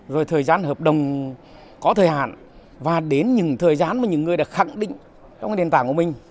rồi thời gian hợp đồng có thời hạn và đến những thời gian mà những người đã khẳng định trong nền tảng của mình